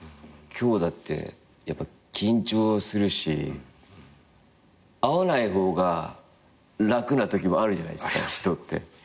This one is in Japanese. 今日だって緊張するし会わない方が楽なときもあるじゃないですか人って。